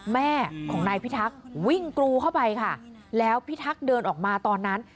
แม่ของนายพิทักษ์วิ่งกรูเข้าไปค่ะแล้วพิทักษ์เดินออกมาตอนนั้น